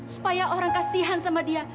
supaya orang kasihan sama dia